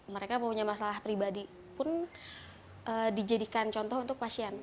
mereka punya masalah pribadi pun dijadikan contoh untuk pasien